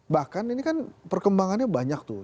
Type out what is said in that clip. bahkan ini kan perkembangannya banyak tuh